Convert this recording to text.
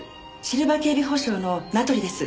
シルバー警備保障の名取です。